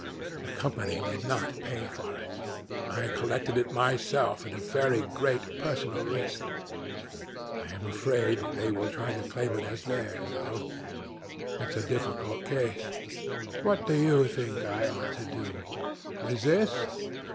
The Company did not pay for it. I collected it myself at a very great personal risk. I am afraid they will try to claim it as theirs though. H'm. It is a difficult case. What do you think I ought to do resist?